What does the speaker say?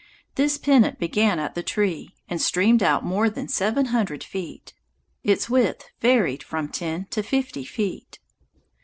This pennant began at the tree and streamed out more than seven hundred feet. Its width varied from ten to fifty feet.